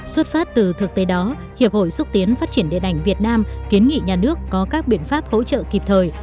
xuất phát từ thực tế đó hiệp hội xuất tiến phát triển điện ảnh việt nam kiến nghị nhà nước có các biện pháp hỗ trợ kịp thời